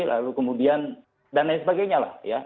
lalu kemudian dan lain sebagainya lah ya